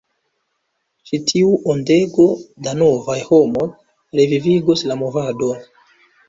Ĉi tiu ondego da novaj homoj revivigos la movadon!